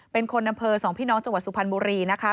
เป็นคนอำเภอสองพี่น้องจังหวัดสุพรรณบุรีนะคะ